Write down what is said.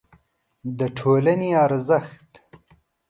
د ټولنې ارزښت